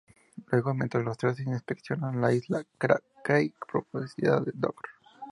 Luego, mientras los tres inspeccionan la isla Crab Key, propiedad del Dr.